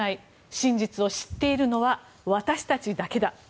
真実を知っているのは私たちだけだ。